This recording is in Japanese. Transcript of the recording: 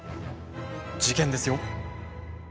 事件ですよ。